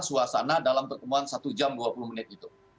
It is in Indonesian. suasana dalam pertemuan satu jam dua puluh menit itu